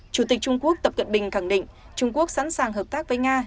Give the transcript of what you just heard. chủ tịch trung quốc tập cận bình khẳng định trung quốc sẵn sàng hợp tác với nga